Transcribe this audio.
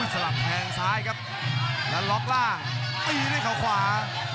สลับแทงซ้ายครับแล้วล็อกล่างตีด้วยเขาขวา